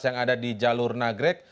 yang ada di jalur nagrek